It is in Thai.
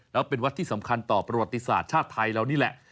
แล้วเป็นวัดที่สำคัญต่อประวัติศาสตร์ชาติไทยเรานี่แหละ